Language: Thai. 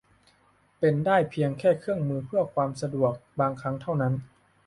เป็นได้เพียงแค่เครื่องมือเพื่อความสะดวกบางครั้งเท่านั้น